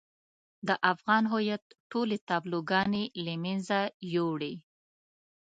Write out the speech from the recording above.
د افغان هويت ټولې تابلوګانې له منځه يوړې.